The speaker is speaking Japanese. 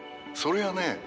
それがね